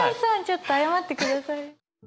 ちょっと謝ってください。